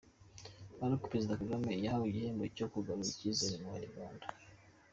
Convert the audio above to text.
Maroc: Perezida Kagame yahawe igihembo cyo kugarura icyizere mu Banyarwanda.